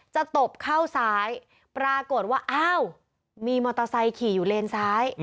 ตบเข้าซ้ายปรากฏว่าอ้าวมีมอเตอร์ไซค์ขี่อยู่เลนซ้าย